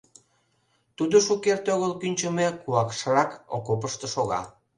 Тудо шукерте огыл кӱнчымӧ куакшрак окопышто шога.